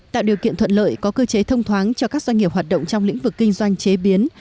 tạo điều kiện thuận lợi có cơ chế thông thoáng cho các doanh nghiệp hoạt động trong lĩnh vực kinh doanh chế biến